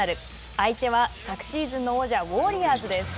相手は昨シーズンの王者ウォリアーズです。